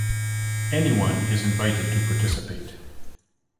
Anyone is invited to participate.